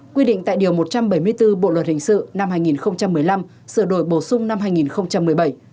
quy định tại điều một trăm bảy mươi bốn bộ luật hình sự năm hai nghìn một mươi năm sửa đổi bổ sung năm hai nghìn một mươi bảy